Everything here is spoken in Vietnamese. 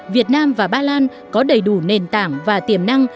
việt nam và ba lan có đầy đủ nền tảng và tiềm năng